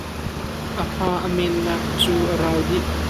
A hma an men nak cu a rau dih.